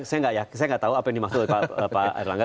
saya nggak tahu apa yang dimaksud pak erlangga